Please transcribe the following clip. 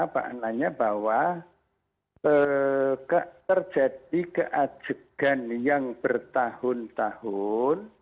pak nanya bahwa terjadi keajegan yang bertahun tahun